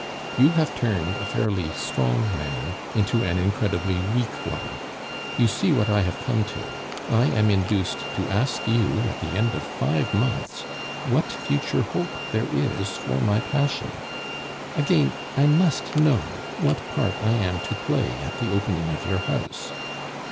"You have turned a fairly strong man into an incredibly weak one. You see what I have come to; I am induced to ask you at the end of five months what future hope there is for my passion. Again, I must know what part I am to play at the opening of your house.